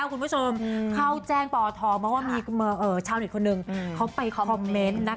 ก็เป็นค่อยคำที่มีประมาทเธอนั่นแหละ